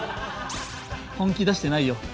本気出してないよ。